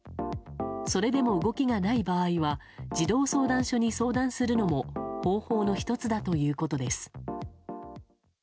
それでも動きがない場合は児童相談所に相談するのも方法の１つだということです。